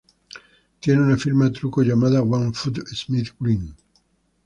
Tiene una firma truco llamado "one-footed smith grind".